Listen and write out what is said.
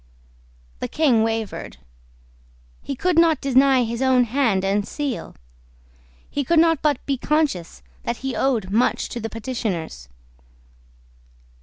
The King wavered. He could not deny his own hand and seal. He could not but be conscious that he owed much to the petitioners.